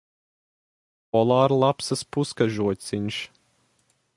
Polārlapsas puskažociņš.